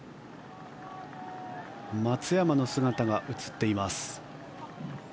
松山の姿が映っています。